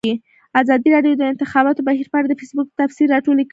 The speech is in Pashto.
ازادي راډیو د د انتخاباتو بهیر په اړه د فیسبوک تبصرې راټولې کړي.